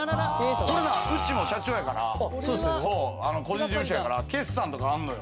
これ、うちも社長やから、個人事務所やから決算とかあんのよ。